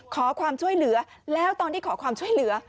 ขอความช่วยเหลือแล้วตอนที่ขอความช่วยเหลือ